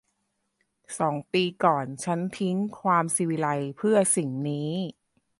สองปีก่อน ฉันทิ้งความศิวิไลซ์เพื่อสิ่งนี้